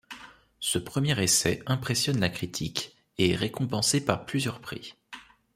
Ce premier essai impressionne la critique, et est récompensé par plusieurs prix.